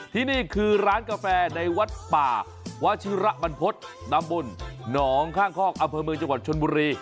ที่นี่คือร้านกาแฟในวัดป่าวัชิระบรรพฤษนำบนหนองข้างคอกอำเภอเมืองจังหวัดชนบุรี